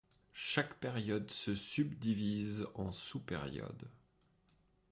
Chaque période se subdivise en sous-périodes.